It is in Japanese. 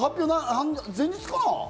前日かな？